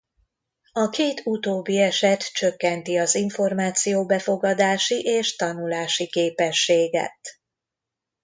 A két utóbbi eset csökkenti az információ-befogadási és tanulási képességet.